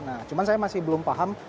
nah cuma saya masih belum paham